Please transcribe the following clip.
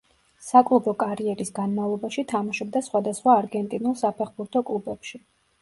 საკლუბო კარიერის განმავლობაში თამაშობდა სხვადასხვა არგენტინულ საფეხბურთო კლუბებში.